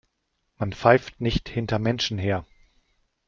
Man pfeift nicht hinter Menschen her.